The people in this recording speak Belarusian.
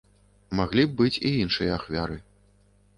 Маглі б быць і іншыя ахвяры.